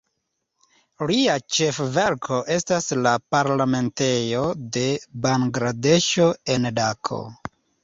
Lia ĉefverko estas la parlamentejo de Bangladeŝo, en Dako.